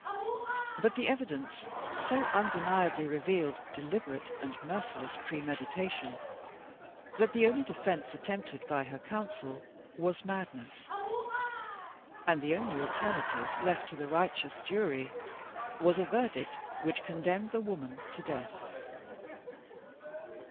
But the evidence so undeniably revealed deliberate and merciless premeditation, that the only defense attempted by her counsel was madness, and the only alternative left to a righteous jury was a verdict which condemned the woman to death.